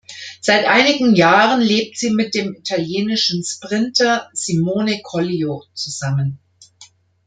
Seit einigen Jahren lebt sie mit dem italienischen Sprinter Simone Collio zusammen.